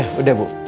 iya udah bu